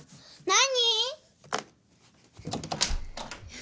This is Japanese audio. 何？